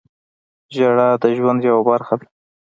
• ژړا د ژوند یوه برخه ده.